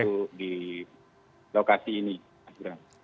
itu di lokasi ini mas bram